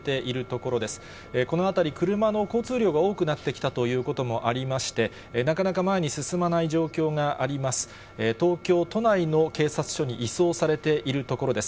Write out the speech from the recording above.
この辺り、車の交通量が多くなってきたということもありまして、なかなか前に進まない状況があります。